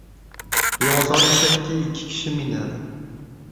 • Beozor eshakka ikki kishi minadi.